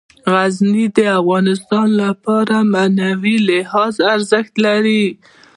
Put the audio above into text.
غزني د افغانانو لپاره په معنوي لحاظ ارزښت لري.